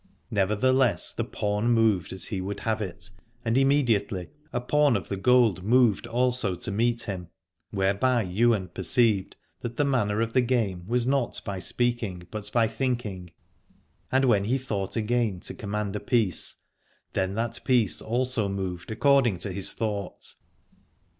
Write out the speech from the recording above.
Nevertheless the pawn moved as he would have it, and immediately a pawn of the gold moved also to meet him : whereby Ywain perceived that the manner of the game was not by speaking but by think ing, and when he thought again to command a piece, then that piece also moved accord ing to his thought.